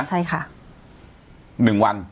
ใช่ค่ะ